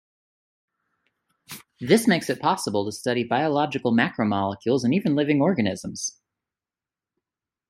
This makes it possible to study biological macromolecules and even living organisms.